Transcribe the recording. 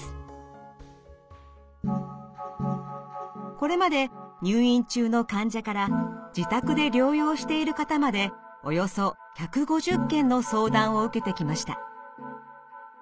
これまで入院中の患者から自宅で療養している方までおよそ１５０件の相談を受けてきました。